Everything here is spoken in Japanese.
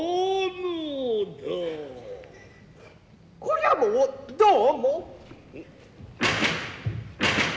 こりゃもうどうも。